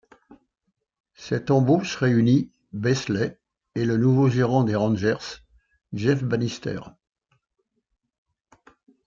Cette embauche réunit Beasley et le nouveau gérant des Rangers, Jeff Banister.